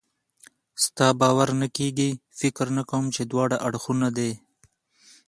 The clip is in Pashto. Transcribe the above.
ستا باور نه کېږي؟ فکر نه کوم چې دواړه اړخونه دې.